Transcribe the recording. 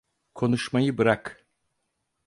Konuşmayı bırak.